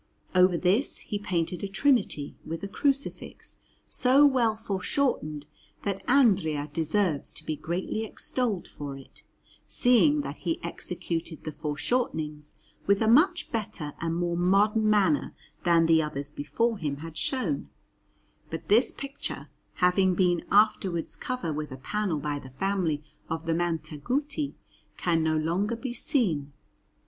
Over this he painted a Trinity, with a Crucifix so well foreshortened that Andrea deserves to be greatly extolled for it, seeing that he executed the foreshortenings with a much better and more modern manner than the others before him had shown; but this picture, having been afterwards covered with a panel by the family of the Montaguti, can no longer be seen.